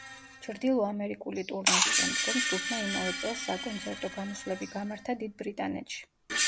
ჩრდილო ამერიკული ტურნეს შემდგომ ჯგუფმა იმავე წელს საკონცერტო გამოსვლები გამართა დიდ ბრიტანეთში.